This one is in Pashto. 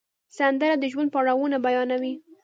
سندره د ژوند پړاوونه بیانوي